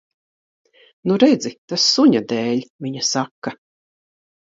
Nu, redzi. Tas suņa dēļ, viņa saka.